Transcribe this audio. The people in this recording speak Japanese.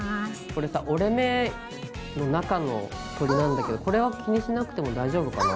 これさ折れ目の中の鳥なんだけどこれは気にしなくても大丈夫かな？